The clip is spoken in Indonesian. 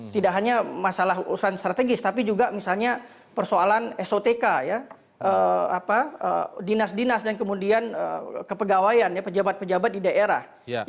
tidak hanya masalah urusan strategis tapi juga misalnya persoalan esoteka dinas dinas dan kemudian kepegawaian pejabat pejabat di daerah